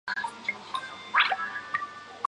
弘治元年致仕。